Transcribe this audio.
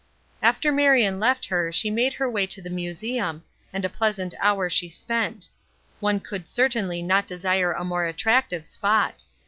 After Marion left her she made her way to the museum, and a pleasant hour she spent; one could certainly not desire a more attractive spot.